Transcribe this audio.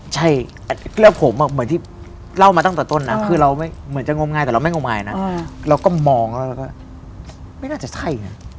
ใช่เพื่อผมอะเหมือนที่เล่ามาตั้งตั้งต้นคือเราต้องเข้ามงายแต่เรามันไม่ต้องเงินนะเราก็มองแล้วไม่น่าจะใช่